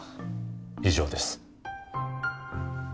以上です。